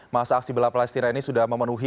masa aksi bela palestira ini sudah memenuhi